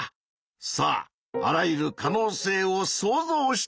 さああらゆる可能性を想像してみてくれ。